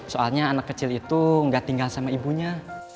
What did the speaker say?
soalnya anak kecil itu nggak tinggal sama ibunya